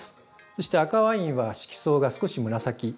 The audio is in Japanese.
そして赤ワインは色相が少し紫。